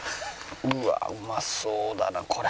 うわあうまそうだなこれ。